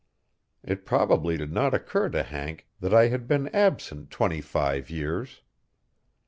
It probably did not occur to Hank that I had been absent twenty five years.